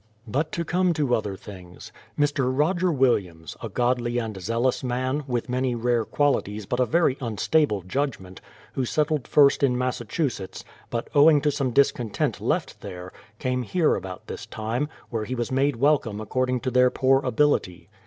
But to come to other things. Mr. Roger Williams, a godly and zealous man, with many rare qualities but a very unstable judgment, who settled first in Massachu setts, but owing to some discontent left there, came here about this time, where he was made welcome according to their poor ability.